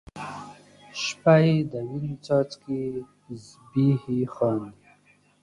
شپه یې د وینو څاڅکي زبیښي خاندي